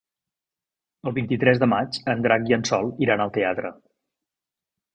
El vint-i-tres de maig en Drac i en Sol iran al teatre.